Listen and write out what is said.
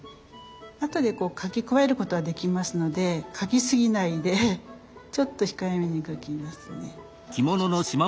後で描き加えることはできますので描きすぎないでちょっと控えめに描きますね。